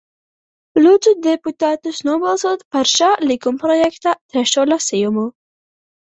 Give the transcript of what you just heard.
Lūdzu deputātus nobalsot par šā likumprojekta trešo lasījumu.